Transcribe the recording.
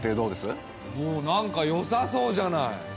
おっなんかよさそうじゃない。